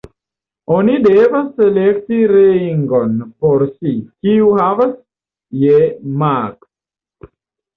Oni devas elekti ringon por si, kiu havas je maks.